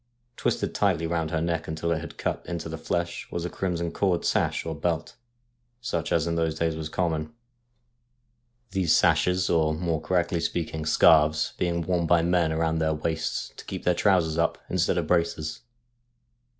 Twisted tightly round her neck until it had cut into the flesh was a crimson cord sash or belt, such as in those days was common — these sashes, or, more correctly speaking. A GHOST FROM THE SEA 165 scarves, being worn by men round their waists to keep their trousers up, instead of braces.